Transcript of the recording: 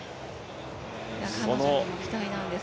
彼女にも期待なんです。